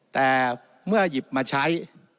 แต่เมื่อหยิบมาใช้